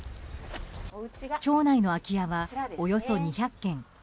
町内の空き家はおよそ２００軒。